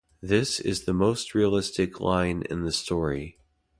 This is the most realistic line in the story.